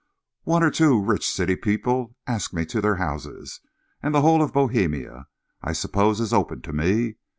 One or two rich city people ask me to their houses, and the whole of Bohemia, I suppose, is open to me.